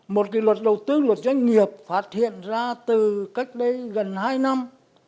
một cái luật đầu tư luật doanh nghiệp phát hiện ra từ cách đây gần hai năm